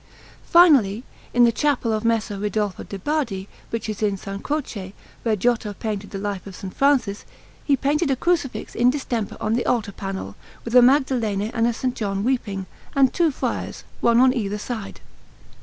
Finally, in the Chapel of Messer Ridolfo de' Bardi, which is in S. Croce, where Giotto painted the life of S. Francis, he painted a Crucifix in distemper on the altar panel, with a Magdalene and a S. John weeping, and two friars, one on either side.